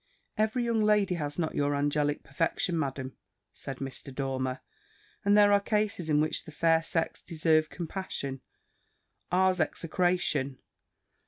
"Every young lady has not your angelic perfection, Madam," said Mr. Dormer. "And there are cases in which the fair sex deserve compassion, ours execration.